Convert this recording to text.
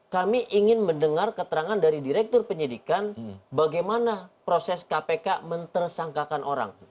kami ingin mendengar keterangan dari direktur penyidikan bagaimana proses kpk mentersangkakan orang